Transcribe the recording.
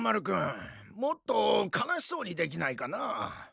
君もっと悲しそうにできないかなあ。